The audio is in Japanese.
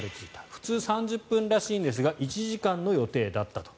普通、３０分らしいんですが１時間の予定だったと。